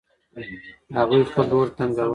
هغوی خپل ورور تنګاوه.